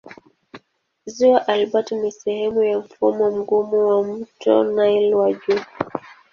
Ziwa Albert ni sehemu ya mfumo mgumu wa mto Nile wa juu.